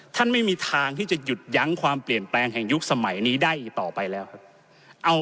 ไม่มีทางที่จะหยุดยั้งความเปลี่ยนแปลงแห่งยุคสมัยนี้ได้อีกต่อไปแล้วครับเอา